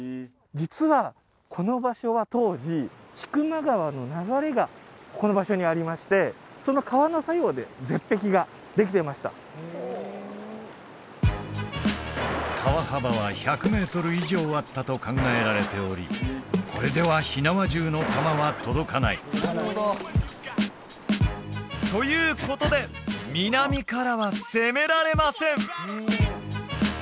実はこの場所は当時千曲川の流れがこの場所にありましてその川の作用で絶壁ができていました川幅は１００メートル以上あったと考えられておりこれでは火縄銃の弾は届かないということで南からは攻められません！